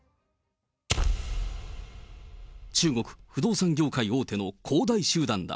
中国不動産業界大手の恒大集団だ。